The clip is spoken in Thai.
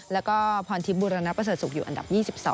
แล้วก็พรธิบุรณะประเศรษฐุอยู่อันดับ๒๒